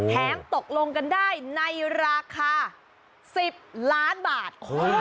ตกลงกันได้ในราคา๑๐ล้านบาท